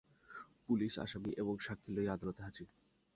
Police আসামী এবং সাক্ষী লইয়া আদালতে হাজির।